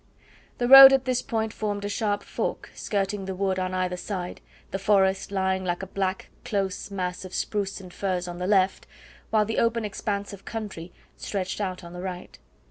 The road at this point formed a sharp fork, skirting the wood on either side, the forest lying like a black close mass of spruce and firs on the left, while the open expanse of country stretched out on the right.